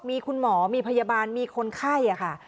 มีคุณหมอมีพยาบาลมีคนไข้ค่ะ